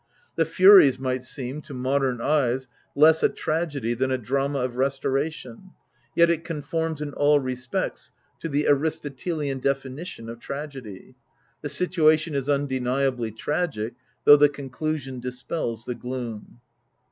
The Furies might seem, to modem eyes, less a tragedy than a drama of restoration ; yet it conforms in all respects to the Aristotelian definition of Tragedy. The situation is undeniably tragic, though the conclusion dispels the gloom.